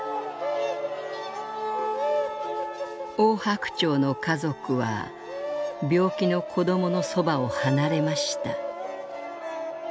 「オオハクチョウの家族は病気の子どものそばを離れました」。